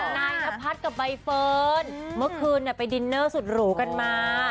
นายนพัฒน์กับใบเฟิร์นเมื่อคืนไปดินเนอร์สุดหรูกันมา